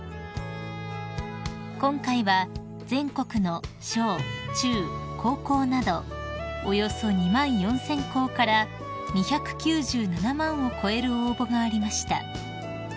［今回は全国の小・中・高校などおよそ２万４，０００校から２９７万を超える応募がありました］